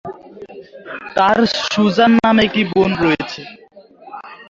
তার সুজান নামে এক বোন রয়েছে।